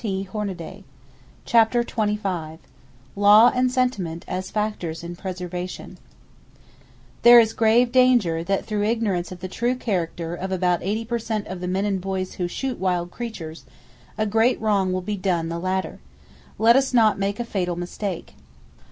[Page 244] CHAPTER XXV LAW AND SENTIMENT AS FACTORS IN PRESERVATION There is grave danger that through ignorance of the true character of about 80 per cent of the men and boys who shoot wild creatures, a great wrong will be done the latter. Let us not make a fatal mistake.